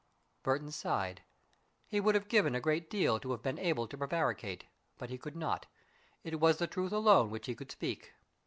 Burton sighed. He would have given a great deal to have been able to prevaricate, but he could not. It was the truth alone which he could speak.